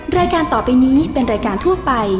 รายการต่อไปนี้เป็นรายการทั่วไป